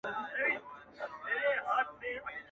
ستا په راتگ خوشاله كېږم خو ډېر، ډېر مه راځـه.